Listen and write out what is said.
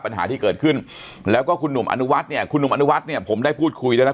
ปัญหาที่เกิดขึ้นแล้วก็คุณหนุ่มอนุวัฒน์เนี่ยคุณหนุ่มอนุวัฒน์เนี่ยผมได้พูดคุยด้วยนะ